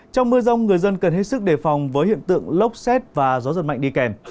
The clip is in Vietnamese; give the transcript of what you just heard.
trong mưa rông người dân cần hết sức đề phòng với hiện tượng lốc xét và gió giật mạnh đi kèm